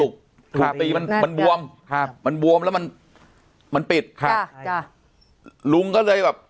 ถูกตีมันมันบวมครับมันบวมแล้วมันมันปิดค่ะจ้ะลุงก็เลยแบบ